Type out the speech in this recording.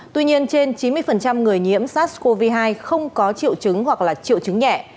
tuy nhiên trên chín mươi người nhiễm sars cov hai không có triệu chứng hoặc là triệu chứng nhẹ